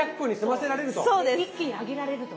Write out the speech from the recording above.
一気に揚げられると。